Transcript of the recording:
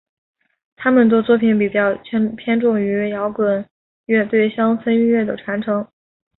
他们的作品比较偏重于摇滚乐对乡村音乐的传承。